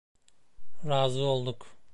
Razı olduk.